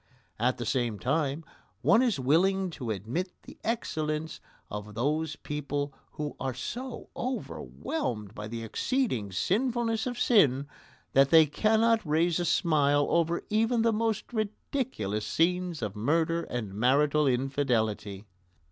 At the same time one is willing to admit the excellence of those people who are so overwhelmed by the exceeding sinfulness of sin that they cannot raise a smile over even the most ridiculous scenes of murder and marital infidelity.